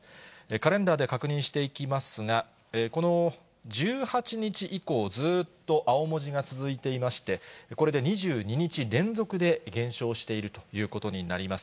カレンダーで確認していきますが、この１８日以降、ずっと青文字が続いていまして、これで２２日連続で減少しているということになります。